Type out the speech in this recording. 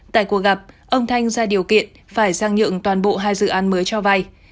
tại cuộc gặp ông thành ra điều kiện phải giang nhượng toàn bộ hai dự án mới cho vay